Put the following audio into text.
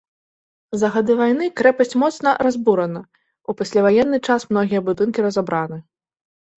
За гады вайны крэпасць моцна разбурана, у пасляваенны час многія будынкі разабраны.